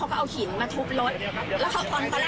เอาช่วงมาให้มาทุบรถค่ะ